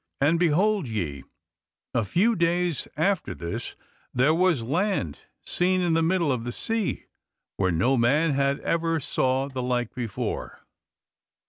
And behold ye, a few days after this there was land seen in the middle of the sea, where no man ever saw the like before.